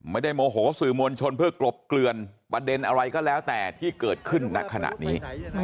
โมโหสื่อมวลชนเพื่อกลบเกลือนประเด็นอะไรก็แล้วแต่ที่เกิดขึ้นณขณะนี้